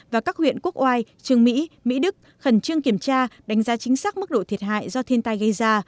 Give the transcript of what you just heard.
và các huyện quốc oai trường mỹ mỹ đức khẩn trương kiểm tra đánh giá chính xác mức độ thiệt hại do thiên tai gây ra